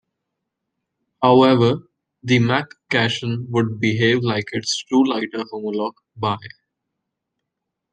However, the Mc cation would behave like its true lighter homolog Bi.